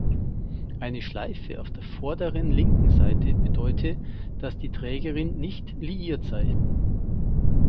Eine Schleife auf der vorderen linken Seite bedeute, dass die Trägerin nicht liiert sei.